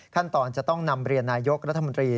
ขั้นตอนจะต้องนำเรียนนายกรัฐมนตรี